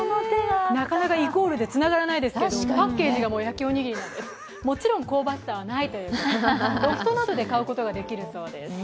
なかなかイコールでつながらないですけど、パッケージが焼おにぎりになってて、もちろん香ばしさはないということで、ロフトなどで購入できるそうです。